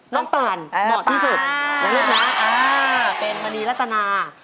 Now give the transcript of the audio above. นางปันเหมาะที่สุดนางปันเป็นมณีลัตนา